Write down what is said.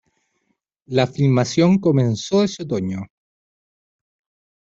La filmación comenzó ese otoño.